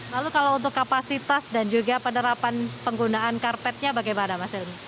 lalu kalau untuk kapasitas dan juga penerapan penggunaan karpetnya bagaimana mas ilmi